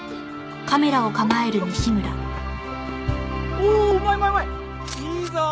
おおうまいうまいうまい！いいぞ！